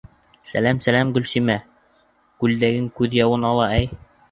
Сәләм-сәләм, Гөлсимә, күлдәгең күҙ яуын ала, әй!